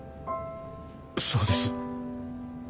そうです。